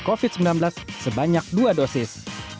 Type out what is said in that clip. karena covid sembilan belas sebanyak dua dosis